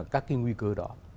các cái nguy cơ đó